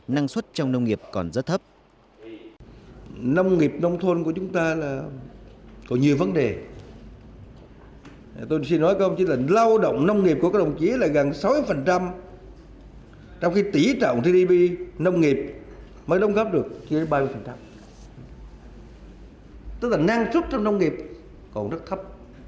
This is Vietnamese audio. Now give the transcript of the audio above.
năng suất trong nông nghiệp còn rất thấp